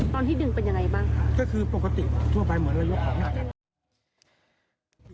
ตอนที่ดึงเป็นยังไงบ้างคือปกติทั่วไปเหมือนระยุกต์ของน้อง